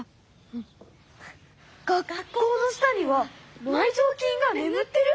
学校の下には埋蔵金がねむってる！？